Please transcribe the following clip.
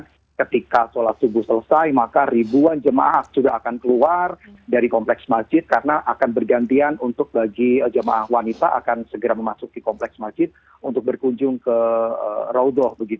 dan ketika sholat subuh selesai maka ribuan jemaah sudah akan keluar dari kompleks masjid karena akan bergantian untuk bagi jemaah wanita akan segera memasuki kompleks masjid untuk berkunjung ke raudoh